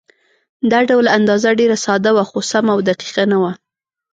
دا ډول اندازه ډېره ساده وه، خو سمه او دقیقه نه وه.